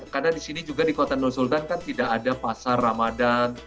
karena di sini juga di kota nur sultan kan tidak ada pasar ramadan